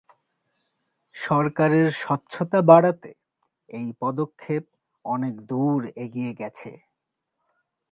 সরকারের স্বচ্ছতা বাড়াতে এই পদক্ষেপ অনেক দূর এগিয়ে গেছে।